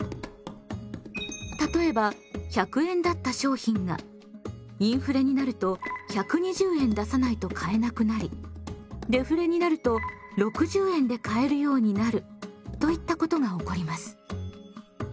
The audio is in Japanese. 例えば１００円だった商品がインフレになると１２０円出さないと買えなくなりデフレになると６０円で買えるようになるといったことが起こります。